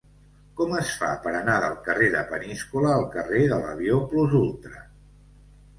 Com es fa per anar del carrer de Peníscola al carrer de l'Avió Plus Ultra?